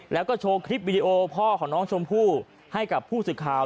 แล้วก็โชว์คลิปวิดีโอพ่อของน้องชมพู่ให้กับผู้สื่อข่าว